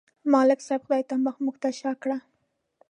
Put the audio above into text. ملک صاحب خدای ته مخ، موږ ته شا کړه.